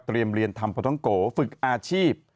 เตรียมเรียนทำพท้องโกฝึกอาชีพ